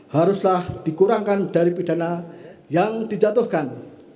haruslah dikurangkan dari pidana yang dijatuhkan